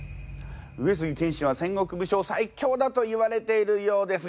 上杉謙信は戦国武将最強だといわれているようですが。